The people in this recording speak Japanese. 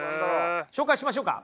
紹介しましょうか。